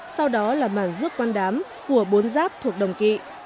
sau đó là mảng rước quan đám của bốn giáp thuộc đồng kỵ